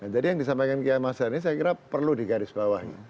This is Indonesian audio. jadi yang disampaikan kiai mas dhani saya kira perlu digaris bawah